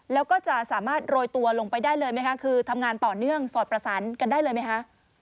แล้วก็จะสามารถโรยตัวลงไปได้เลยไหมคะคือทำงานต่อเนื่องสอดประสานกันได้เลยไหมคะ